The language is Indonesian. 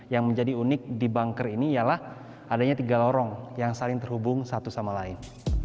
yang menjadi unik di banker ini ialah adanya tiga lorong yang saling terhubung satu sama lain